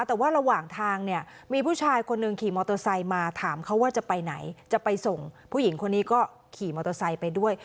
แต่ว่าระหว่างทางเนี่ยมีผู้ชายคนหนึ่งขี่มอเตอร์ไซค์มาถามเขาว่าจะไปไหนจะไปส่งผู้หญิงคนนี้ก็ขี่มอเตอร์ไซค์ไปด้วย